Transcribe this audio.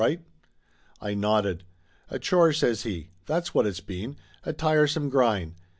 Right ?" I nodded. "A chore!" says he. "That's what it's been! A tiresome grind.